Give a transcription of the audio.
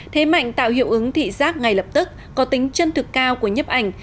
thế mạnh tạo hiệu ứng thị giác ngay lập tức có tính chân thực cao của nhấp ảnh